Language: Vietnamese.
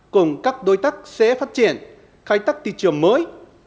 cùng các đối tác sẽ phát triển khai tác thị trường mới